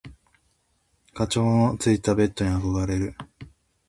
蚊帳のついたベット憧れる。